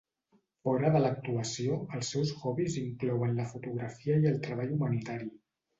Fora de l'actuació, els seus hobbies inclouen la fotografia i el treball humanitari.